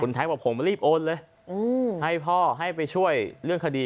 แท็กบอกผมมารีบโอนเลยให้พ่อให้ไปช่วยเรื่องคดี